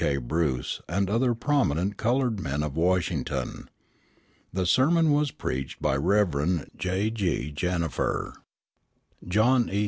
K. Bruce and other prominent colored men of Washington. The sermon was preached by Rev. J. G. Jenifer. John E.